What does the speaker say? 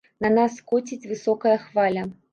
На нас коціць высокая хваля.